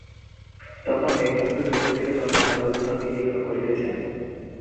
তখন মেঘমুক্ত চতুর্থীর চন্দ্রমা জ্যোৎস্না বিকীর্ণ করিতেছেন।